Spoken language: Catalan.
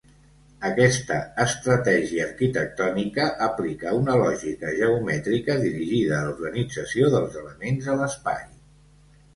Aquesta estratègia arquitectònica aplica una lògica geomètrica dirigida a l'organització dels elements a l'espai.